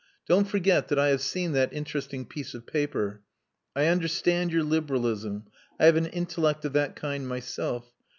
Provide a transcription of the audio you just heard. Don't forget that I have seen that interesting piece of paper. I understand your liberalism. I have an intellect of that kind myself.